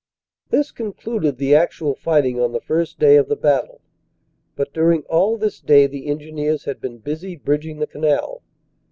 "This concluded the actual fighting on the first day of the battle. But during all this day the engineers had been busy bridging the Canal.